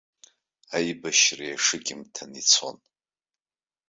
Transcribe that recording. Аибашьра иашыкьымҭаны ицон.